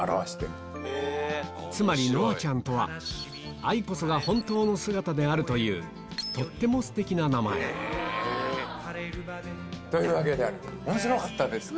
つまり乃愛ちゃんとは愛こそが本当の姿であるというとってもステキな名前面白かったですか？